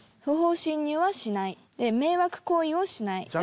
不法侵入はしない迷惑行為をしない。